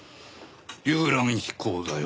遊覧飛行だよ。